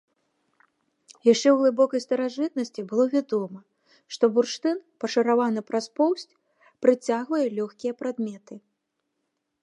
Яшчэ ў глыбокай старажытнасці было вядома, што бурштын, пашараваны пра поўсць, прыцягвае лёгкія прадметы.